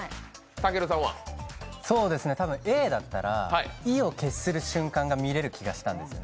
多分、Ａだったら意を決する瞬間が見えると思うんですね